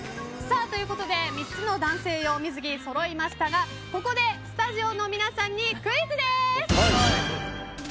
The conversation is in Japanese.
ということで３つの男性用水着がそろいましたが、ここでスタジオの皆さんにクイズです。